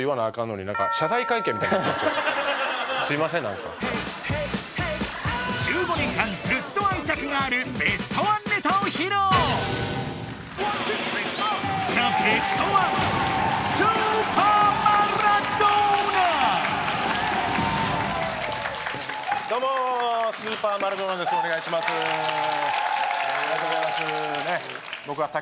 ありがとうございます